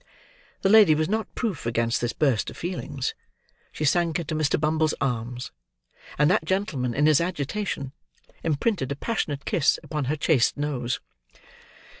The lady was not proof against this burst of feeling. She sank into Mr. Bumble's arms; and that gentleman in his agitation, imprinted a passionate kiss upon her chaste nose.